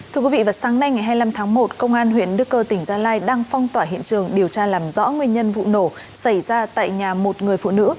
thưa quý vị vào sáng nay ngày hai mươi năm tháng một công an huyện đức cơ tỉnh gia lai đang phong tỏa hiện trường điều tra làm rõ nguyên nhân vụ nổ xảy ra tại nhà một người phụ nữ